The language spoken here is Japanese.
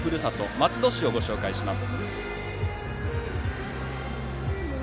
松戸市をご紹介します。